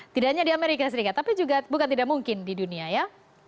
tidak hanya di amerika serikat tapi juga bukan tidak mungkin di dunia ya